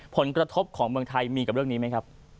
ผลกระทบของเมืองไทยมีกับเรื่องนี้ไหมครับ